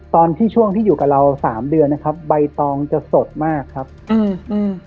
ช่วงที่อยู่กับเราสามเดือนนะครับใบตองจะสดมากครับอืมอืม